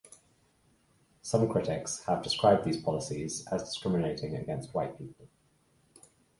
Some critics have described those policies as discriminating against white people.